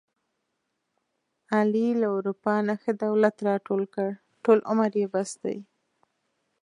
علي له اروپا نه ښه دولت راټول کړ، ټول عمر یې بس دی.